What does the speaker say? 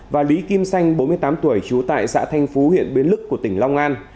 và lý kim xanh bốn mươi tám tuổi trú tại xã thanh phú huyện biến lức tỉnh long an